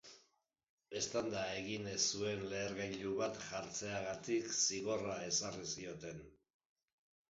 Eztanda egin ez zuen lehergailu bat jartzeagatik zigorra ezarri zioten.